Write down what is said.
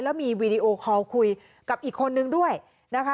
แล้วมีวีดีโอคอลคุยกับอีกคนนึงด้วยนะคะ